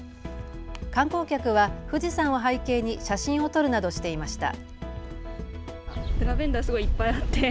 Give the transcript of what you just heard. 観光客は富士山を背景に写真を撮るなどしていました。